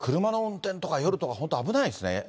車の運転とか、夜とか本当、危ないですね。